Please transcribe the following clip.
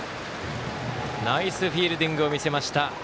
ナイスフィールディングを見せました。